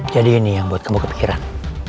jadi ini yang buat kamu kepikiran